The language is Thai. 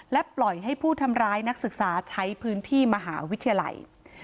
และปล่อยให้ผู้ทำร้ายนักศึกษาใช้พื้นที่มหาวิทยาลัย